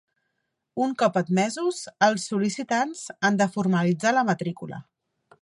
Un cop admesos, els sol·licitants han de formalitzar la matrícula.